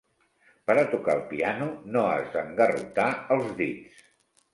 Per a tocar el piano, no has d'engarrotar els dits.